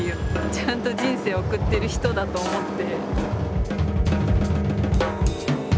ちゃんと人生を送ってる人だと思って。